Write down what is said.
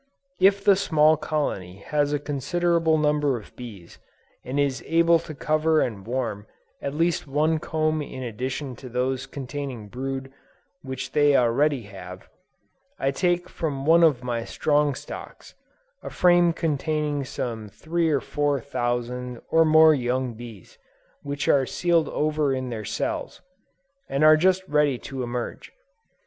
If the small colony has a considerable number of bees, and is able to cover and warm at least one comb in addition to those containing brood which they already have, I take from one of my strong stocks, a frame containing some three or four thousand or more young bees, which are sealed over in their cells, and are just ready to emerge.